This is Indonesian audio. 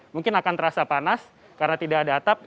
mungkin akan terasa panas karena tidak ada atap